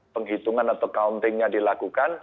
penghitungan atau counting nya dilakukan